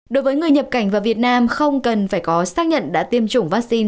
đối với người nhập cảnh vào việt nam không cần phải có xác nhận đã tiêm chủng vaccine